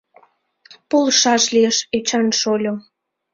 — Полшаш лиеш, Эчан шольо.